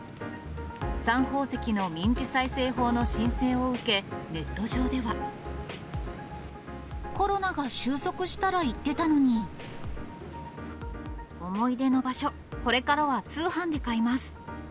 サン宝石の民事再生法の申請を受け、ネット上では。コロナが収束したら行ってた思い出の場所、これからは通販で買います。